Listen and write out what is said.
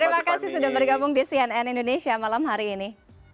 terima kasih sudah bergabung di cnn indonesia malam hari ini